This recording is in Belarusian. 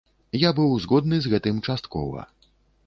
Я быў згодны з гэтым часткова.